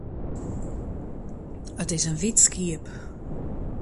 It is in wyt skiep.